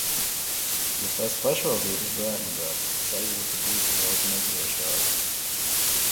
Ja tas pašvaldības bērnudārzs, sajūta būtu daudz nedrošāka.